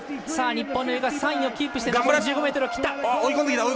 日本の由井が３位をキープして残り１５ｍを切った。